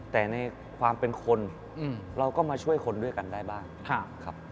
แต่ในความเป็นคนเราก็มาช่วยคนด้วยกันได้บ้างครับ